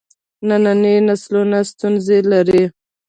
ننني نسلونه ستونزې لري.